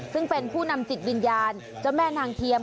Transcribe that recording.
ซึ่งเป็นผู้นำจิตวิญญาณเจ้าแม่นางเทียม